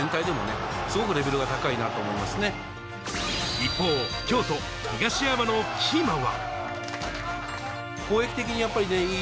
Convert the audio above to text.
一方、京都・東山のキーマンは。